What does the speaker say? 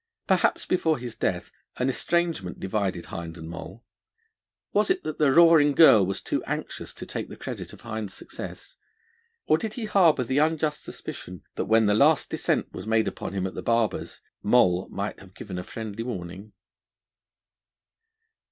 Perhaps before his death an estrangement divided Hind and Moll. Was it that the Roaring Girl was too anxious to take the credit of Hind's success? Or did he harbour the unjust suspicion that when the last descent was made upon him at the barber's, Moll might have given a friendly warning?